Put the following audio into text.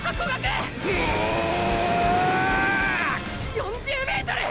４０ｍ！！